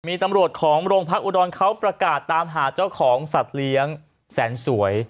มีตำรวจของโรงพักอุดรเขาประกาศตามหาเจ้าของสัตว์เลี้ยงแสนสวย